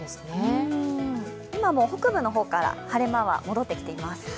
今も北部の方から晴れ間は戻ってきています。